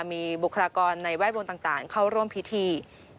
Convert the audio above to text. มีบุคลากรในแวดวงต่างเข้าร่วมพิธี